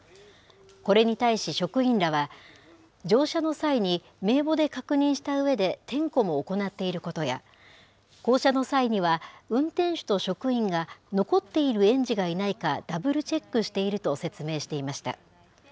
これに対し、職員らは乗車の際に、名簿で確認したうえで、点呼も行っていることや、降車の際には、運転手と職員が残っている園児がいないか、ダブルチェックしていると説明していました。